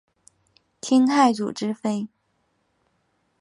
清太祖之妃。